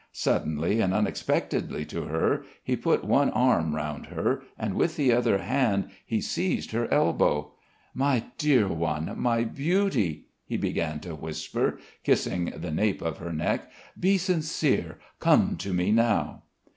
Suddenly and unexpectedly to her, he put one arm round her and with the other hand he seized her elbow. "My dear one, my beauty," he began to whisper, kissing the nape of her neck; "be sincere, come to me now."